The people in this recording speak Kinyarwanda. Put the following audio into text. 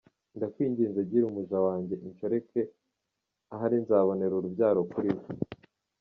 Ndakwingize gira umuja wanjye inshoreke, ahari nzabonera urubyaro kuri we .